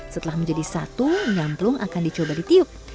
setelah menjadi satu nyamplung akan dicoba ditiup